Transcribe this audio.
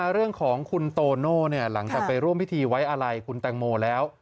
เรื่องของคุณโตโน่หลังจากไปร่วมพิธีไว้อะไรคุณแตงโมแล้ว